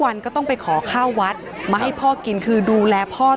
เป็นครั้งตลอดชีวิตสมัยไม่ได้จับใด